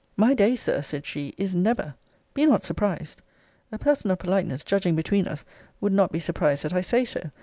My day, Sir, said she, is never. Be not surprised. A person of politeness judging between us, would not be surprised that I say so.